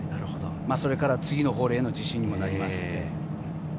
それから次のホールへの自信にもなりますんで。